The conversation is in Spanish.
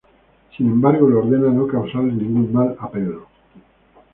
Sin embargo, le ordena no causarle ningún mal a Peter.